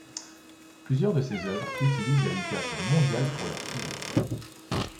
Plusieurs de ses œuvres utilisent la littérature mondiale pour leurs sujets.